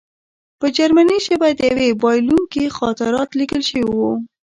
په جرمني ژبه د یوه بایلونکي خاطرات لیکل شوي وو